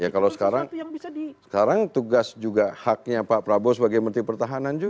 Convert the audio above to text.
kalau sekarang tugas juga haknya pak prabowo sebagai menteri pertahanan juga